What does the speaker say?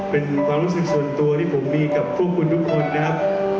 เป็นความรู้สึกส่วนตัวที่ผมมีกับพวกคุณทุกคนนะครับ